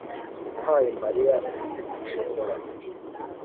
nahaye mariya shokora